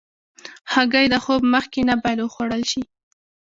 هګۍ د خوب مخکې نه باید وخوړل شي.